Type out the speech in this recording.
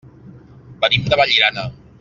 Venim de Vallirana.